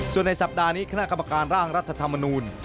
ส่วนในสัปดาห์นี้คณะกรรมการร่างรัฐธรรมนูล